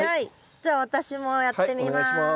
じゃあ私もやってみます。